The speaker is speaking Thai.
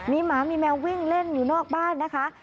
มีหมามีแมววิ่งเล่นอยู่นอกบ้านนะคะ